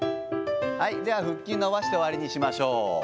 では腹筋、伸ばして終わりにしましょう。